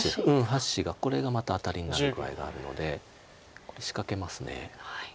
８子がこれがまたアタリになる具合があるのでこれ仕掛けます。